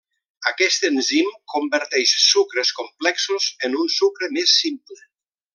Aquest enzim converteix sucres complexos en un sucre més simple.